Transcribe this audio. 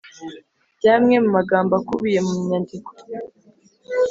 by’amwe mu magambo akubiye mu myandiko.